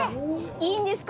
いいんですか？